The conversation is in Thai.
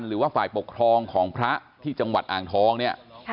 หรือว่าฝ่ายปกครองของพระที่จังหวัดอ่างทองเนี่ย